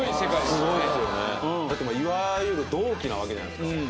すごいですよねだっていわゆる同期なわけじゃないですか